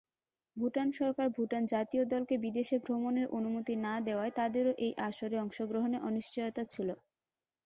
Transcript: ভুটান সরকার ভুটান জাতীয় দলকে বিদেশে ভ্রমণের অনুমতি না দেওয়ায় তাদেরও এই আসরে অংশগ্রহণে অনিশ্চয়তা ছিল।